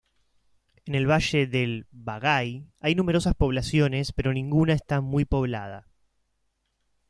En el valle del Vagái hay numerosas poblaciones, pero ninguna está muy poblada.